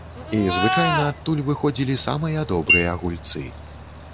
І звычайна адтуль выходзілі самыя добрыя гульцы.